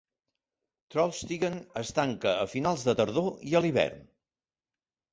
"Trollstigen" es tanca a finals de tardor i a l'hivern.